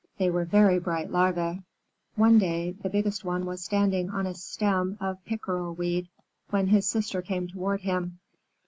They were very bright larvæ. One day the biggest one was standing on a stem of pickerel weed, when his sister came toward him.